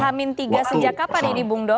waktu persoalan h tiga sejak apa ini bung dom